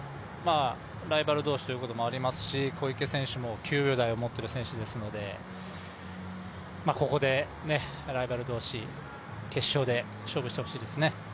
ライバル同士ということもありますし、小池選手も９秒台を持っている選手ですので、ここで、ライバル同士決勝で勝負してほしいですね。